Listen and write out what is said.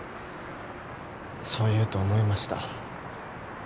そう言うと思いました。